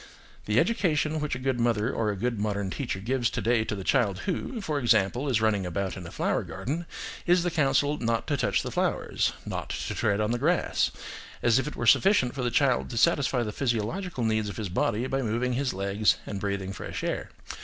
The education which a good mother or a good modern teacher gives to day to the child who, for example, is running about in a flower garden is the counsel not to touch the flowers, not to tread on the grass; as if it were sufficient for the child to satisfy the physiological needs of his body by moving his legs and breathing fresh air.